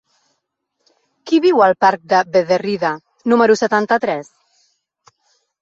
Qui viu al parc de Bederrida número setanta-tres?